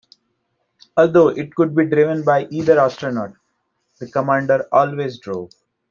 Although it could be driven by either astronaut, the Commander always drove.